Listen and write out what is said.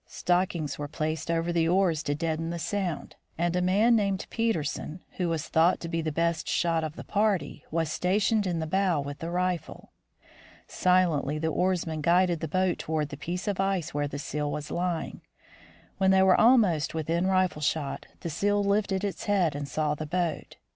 Stockings were placed over the oars to deaden the sound, and a man named Peterson, who was thought to be the best shot of the party, was stationed in the bow with the rifle. Silently the oarsmen guided the boat toward the piece of ice where the seal was lying. When they were almost within rifle shot, the seal lifted its head and saw the boat.